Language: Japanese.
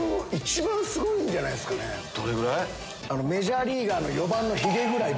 どれぐらい？